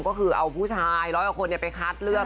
ก็คือเอาผู้ชาย๑๐๐คนไปคัดเลือก